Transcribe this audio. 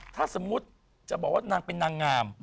ถ้าสมมุติจะบอกว่านางเป็นนางงาม